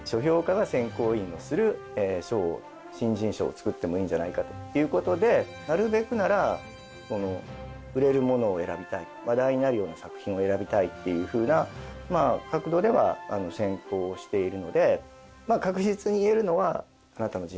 つくってもいいんじゃないかということでなるべくなら売れるものを選びたい話題になるような作品を選びたいっていうふうな角度では選考しているので。